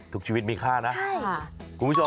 ทุกชีวิตมีค่านะใช่คุณผู้ชม